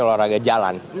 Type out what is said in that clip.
jalur raga jalan